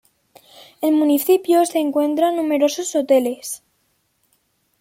En el municipio se encuentran numerosos hoteles.